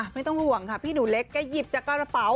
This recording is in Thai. ไม่ต้องห่วงค่ะพี่หนูเล็กแกหยิบจากกระเป๋า